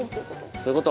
そういうこと。